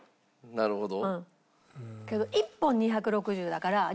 なるほど。